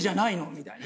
みたいな。